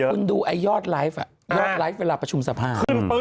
คุณดูไอ้ยอดไลฟ์ยอดไลฟ์เวลาประชุมสภาพ